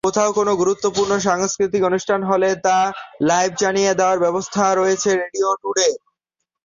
কোথাও কোনো গুরুত্বপূর্ণ সাংস্কৃতিক অনুষ্ঠান হলে তা লাইভ জানিয়ে দেয়ার ব্যবস্থা রেখেছে রেডিও টুডে।